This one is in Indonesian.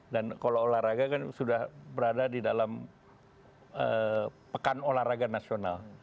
dan kalau olahraga kan sudah berada di dalam pekan olahraga nasional